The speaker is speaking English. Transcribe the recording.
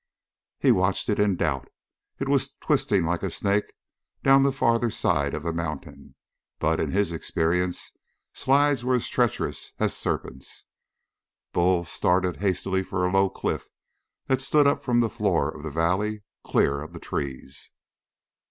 He watched it in doubt. It was twisting like a snake down the farther side of the mountain, but, in his experience, slides were as treacherous as serpents. Bull started hastily for a low cliff that stood up from the floor of the valley, clear of the trees.